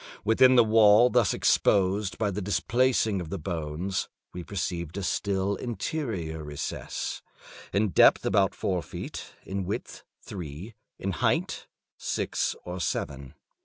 Within the wall thus exposed by the displacing of the bones, we perceived a still interior recess, in depth about four feet, in width three, in height six or seven.